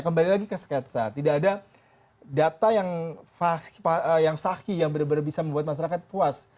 kembali lagi ke sketsa tidak ada data yang saki yang benar benar bisa membuat masyarakat puas